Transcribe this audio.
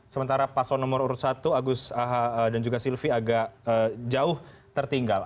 sementara paslon nomor urut satu agus dan juga silvi agak jauh tertinggal